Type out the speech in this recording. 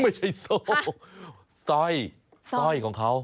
ไม่ใช่โซ่ซ่อย